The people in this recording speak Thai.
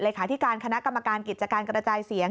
เลยค้าธิการคณะกรรมการกิจการกระจายเสียง